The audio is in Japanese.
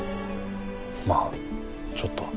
まあちょっとは。